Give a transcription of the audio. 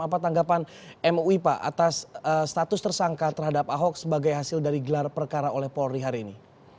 apa tanggapan mui pak atas status tersangka terhadap ahok sebagai hasil dari gelar perkara oleh polri hari ini